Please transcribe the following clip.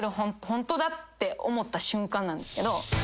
ホントだって思った瞬間なんですけど。